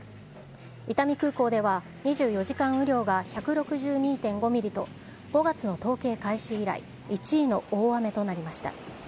伊丹空港では、２４時間雨量が１６２．５ミリと、５月の統計開始以来、１位の大雨となりました。